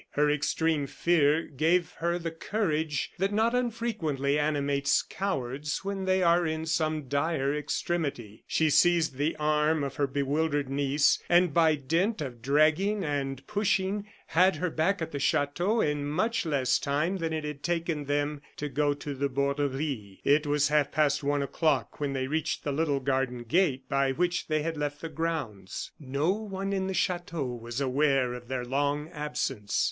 Her extreme fear gave her the courage that not unfrequently animates cowards when they are in some dire extremity. She seized the arm of her bewildered niece, and, by dint of dragging and pushing, had her back at the chateau in much less time than it had taken them to go to the Borderie. It was half past one o'clock when they reached the little garden gate, by which they had left the grounds. No one in the chateau was aware of their long absence.